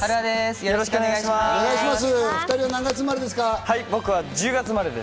よろしくお願いします。